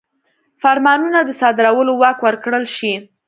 فرمانونو د صادرولو واک ورکړل شي.